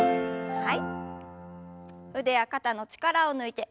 はい。